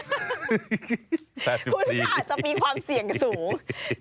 คุณก็อาจจะมีความเสี่ยงสูง